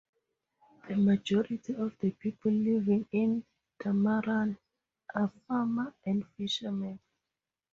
The majority of the people living in Dumaran are farmer and fisherman.